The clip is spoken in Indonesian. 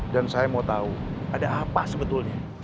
dan saya mau tahu ada apa sebetulnya